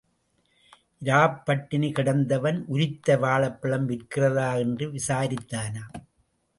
இராப் பட்டினி கிடந்தவன் உரித்த வாழைப்பழம் விற்கிறதா என்று விசாரித்தானாம்.